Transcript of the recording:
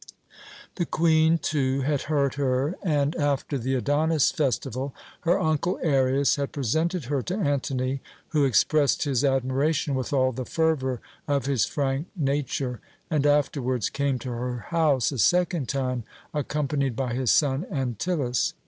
The Queen, too, had heard her, and, after the Adonis festival, her uncle Arius had presented her to Antony, who expressed his admiration with all the fervour of his frank nature, and afterwards came to her house a second time, accompanied by his son Antyllus.